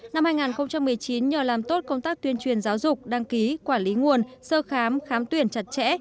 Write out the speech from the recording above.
năm hai nghìn một mươi chín nhờ làm tốt công tác tuyên truyền giáo dục đăng ký quản lý nguồn sơ khám khám tuyển chặt chẽ